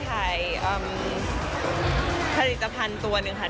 ใหม่ก็เริ่มเหมือนต่อยอดไปเรื่อยค่ะ